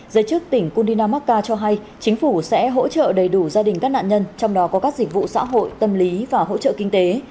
giới chức tỉnh kunina macca cho hay chính phủ sẽ hỗ trợ đầy đủ gia đình các nạn nhân trong đó có các dịch vụ xã hội tâm lý và hỗ trợ kinh tế